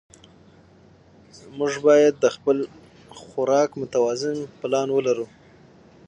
موږ باید د خپل خوراک متوازن پلان ولرو